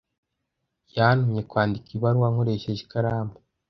Yantumye kwandika ibaruwa nkoresheje ikaramu.